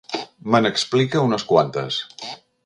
Me n'explica unes quantes.